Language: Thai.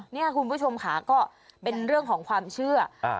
เนี่ยคุณผู้ชมค่ะก็เป็นเรื่องของความเชื่อ